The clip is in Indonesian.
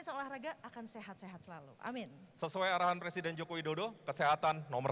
seolahraga akan sehat sehat selalu amin sesuai arahan presiden joko widodo kesehatan nomor